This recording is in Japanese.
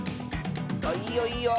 あっいいよいいよ。